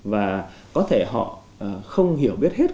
và có thể họ không hiểu biết hết